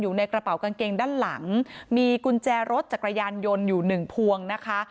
อยู่ในกระเป๋ากางเกงด้านหลังมีกุญแจรถจักรยานยนต์อยู่หนึ่งพวงนะคะ